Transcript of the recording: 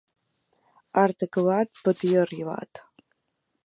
Art acabat, patir arribat.